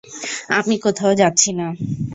আমি কোথাও যাচ্ছি না।